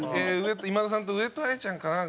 今田さんと上戸彩ちゃんかな。